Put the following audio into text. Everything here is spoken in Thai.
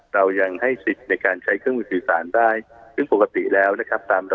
เรายังให้สิทธิ์ในการใช้เครื่องมือสื่อสารได้ซึ่งปกติแล้วนะครับ